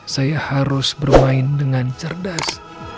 saya harus bermain dengan cerdas